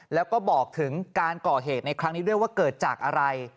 แล้วก็บอกถึงการก่อเหตุในครั้งนี้ด้วยว่าเกิดจากอะไร